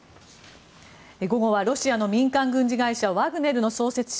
午後はロシアの民間軍事会社ワグネルの創設者